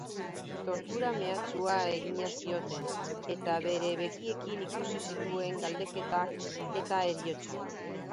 Tortura-mehatxua egina zioten, eta bere begiekin ikusi zituen galdeketak eta heriotza.